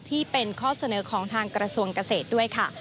ที่เป็นข้อเสนอของทางกระทรวงเกษตรด้วยค่ะ